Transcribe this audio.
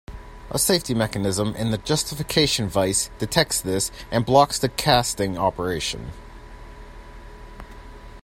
A safety mechanism in the justification vise detects this and blocks the casting operation.